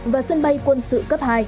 và sân bay quân sự cấp hai